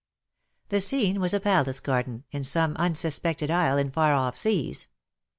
The scene was a palace garden, in some " unsuspected isle in far off seas.